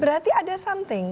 berarti ada something